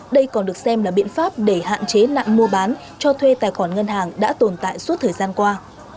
đây còn được xem là biện pháp để hạn chế nạn mua bán cho thuê tài khoản ngân hàng đã tồn tại suốt thời gian qua